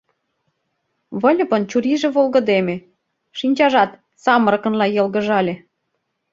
Выльыпын чурийже волгыдеме, шинчажат самырыкынла йылгыжале.